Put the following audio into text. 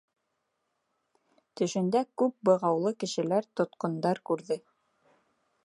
Төшөндә күп бығаулы кешеләр-тотҡондар күрҙе.